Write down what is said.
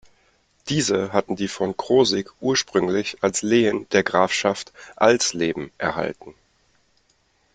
Diese hatten die von Krosigk ursprünglich als Lehen der Grafschaft Alsleben erhalten.